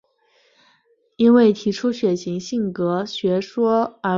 因为提出血型性格学说而闻名。